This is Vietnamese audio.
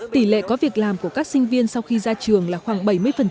tỷ lệ có việc làm của các sinh viên sau khi ra trường là khoảng bảy mươi